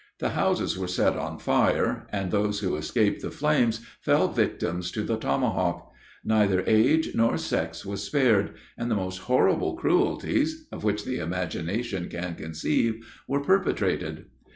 The houses were set on fire, and those who escaped the flames fell victims to the tomahawk. Neither age nor sex was spared; and the most horrible cruelties, of which the imagination can conceive, were perpetrated.